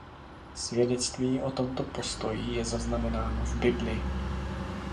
Svědectví o tomto postoji je zaznamenáno v Bibli.